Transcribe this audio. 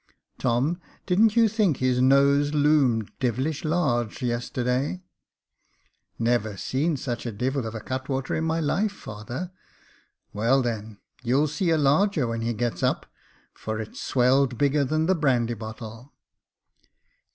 Tom, didn't you think his nose loomed devilish large yester " Never seed such a devil of a cutwater in my life, father." " Well, then, you'll see a larger when he gets up, for it's swelled bigger than the brandy bottle.